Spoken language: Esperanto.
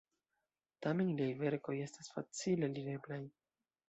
Tamen liaj verkoj estas facile alireblaj.